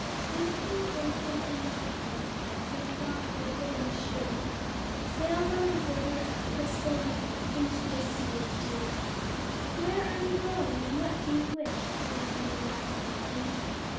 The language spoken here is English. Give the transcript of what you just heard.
Wynken, Blynken, and Nod one night Sailed off in a wooden shoe,— Sailed on a river of crystal light Into a sea of dew. "Where are you going, and what do you wish?" The old moon asked the three.